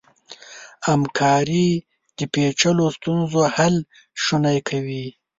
همکاري د پېچلو ستونزو حل شونی کوي.